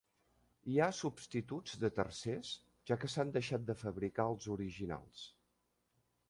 Hi ha substituts de tercers, ja què s"han deixat de fabricar els originals.